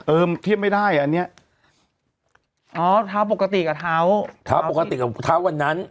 เออมันเทียบไม่ได้อันเนี้ยอ๋อเท้าปกติกับเท้าเท้าปกติกับเท้าวันนั้น